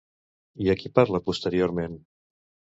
I a qui parla posteriorment?